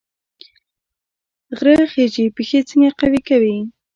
غره خیژي پښې څنګه قوي کوي؟